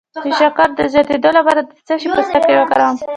د شکر د زیاتیدو لپاره د څه شي پوستکی وکاروم؟